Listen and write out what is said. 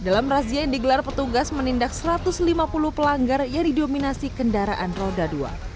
dalam razia yang digelar petugas menindak satu ratus lima puluh pelanggar yang didominasi kendaraan roda dua